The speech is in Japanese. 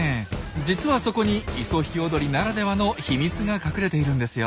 実はそこにイソヒヨドリならではの秘密が隠れているんですよ。